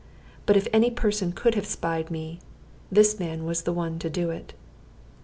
But if any person could have spied me, this man was the one to do it.